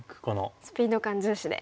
スピード感重視で。